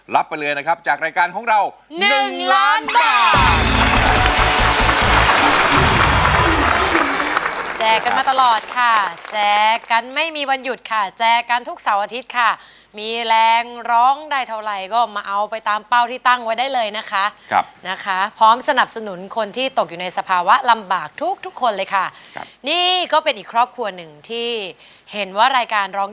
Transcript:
รับไปเลยนะครับจากรายการของเรา